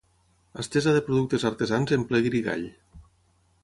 Estesa de productes artesans en ple guirigall.